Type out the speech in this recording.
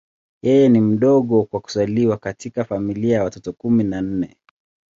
Yeye ni mdogo kwa kuzaliwa katika familia ya watoto kumi na nne.